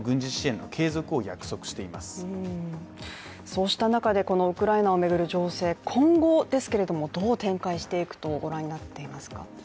そうした中でウクライナを巡る情勢今後ですけどもどう展開していくとご覧になっていますか？